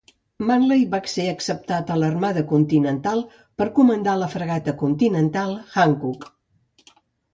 Manley va ser acceptat a l'Armada Continental per comandar la fragata continental "Hancock".